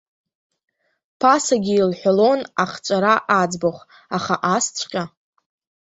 Ԥасагьы илҳәалон ахҵәара аӡбахә, аха асҵәҟьа.